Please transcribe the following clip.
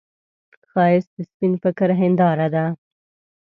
ښایست د سپين فکر هنداره ده